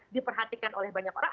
diperhatikan oleh banyak orang